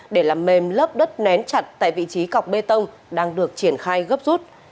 để làm mềm lớp đất nén chặt tại vị trí cọc bê tông đang được triển khai gấp rút